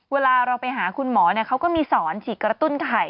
เวลาเราไปหาคุณหมอเขาก็มีสอนฉีดกระตุ้นไข่